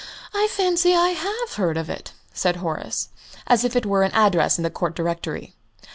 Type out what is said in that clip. "I fancy I have heard of it," said Horace, as if it were an address in the Court Directory.